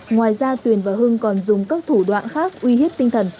ngoài ra tuyền và hưng còn dùng các thủ đoạn khác uy hiếp tinh thần